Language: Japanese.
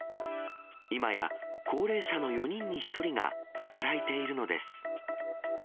今や、高齢者の４人に１人が働いているのです。